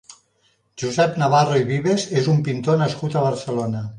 Josep Navarro i Vives és un pintor nascut a Barcelona.